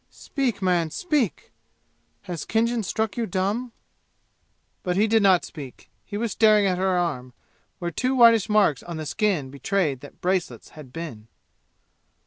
Speak, man, speak! Has Khinjan struck you dumb?" But he did not speak. He was staring at her arm, where two whitish marks on the skin betrayed that bracelets had been.